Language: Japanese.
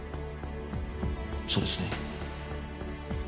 そうですね？